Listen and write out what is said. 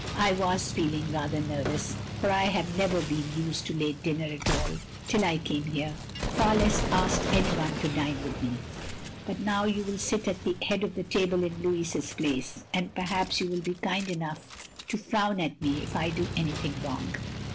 I was feeling rather nervous, for I have never been used to late dinner at all, till I came here, far less asked any one to dine with me. But now you will sit at the head of the table in Louis's place; and perhaps you will be kind enough to frown at me if I do anything wrong.